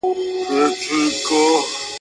د نعمتونو پکښي رودونه ,